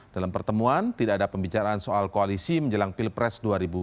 dalam pertemuan tidak ada pembicaraan soal koalisi menjelang pilpres dua ribu dua puluh